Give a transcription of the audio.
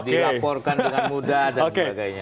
dilaporkan dengan mudah dan sebagainya